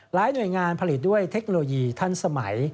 หน่วยงานผลิตด้วยเทคโนโลยีทันสมัย